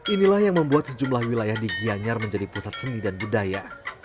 inilah yang membuat sejumlah wilayah di gianyar menjadi pusat seni dan budaya